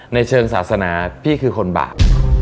ในเชิงศาสนาพี่คือคนบาป